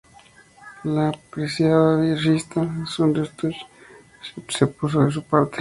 La apreciada revista "Süddeutsche Zeitung" se puso de su parte.